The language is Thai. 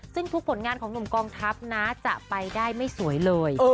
ซึ่งทุกผลงานของหนุ่มกองทัพนะจะไปได้ไม่สวยเลย